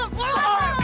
yummi berat itu sesuatu